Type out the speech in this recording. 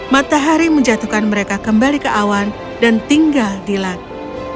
matahari menjatuhkan mereka kembali ke awan dan tinggal di lagu